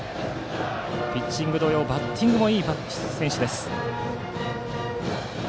ピッチング同様バッティングもいい選手です。